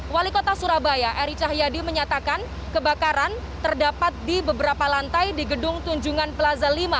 wali kota surabaya eri cahyadi menyatakan kebakaran terdapat di beberapa lantai di gedung tunjungan plaza lima